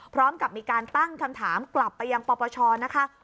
พร้อมกับมีการตั้งคำถามกลับไปยังปปชนะคะ